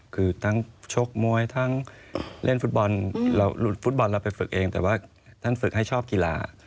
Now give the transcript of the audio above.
คือทั้งชกมวยทั้งเล่นฟุตบอลเราหลุดฟุตบอลเราไปฝึกเองแต่ว่าท่านฝึกให้ชอบกีฬา